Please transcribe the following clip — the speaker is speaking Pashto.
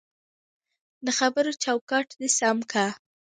دخبرو چوکاټ دی سم که